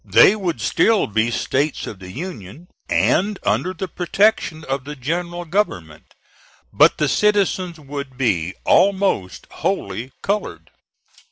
They would still be States of the Union, and under the protection of the General Government; but the citizens would be almost wholly colored.